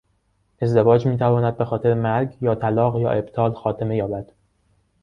ازدواج میتواند به خاطر مرگ یا طلاق یا ابطال خاتمه یابد.